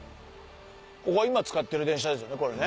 ここは今使ってる電車ですよね？